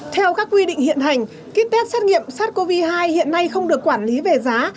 theo các quy định hiện hành ký test xét nghiệm sars cov hai hiện nay không được quản lý về giá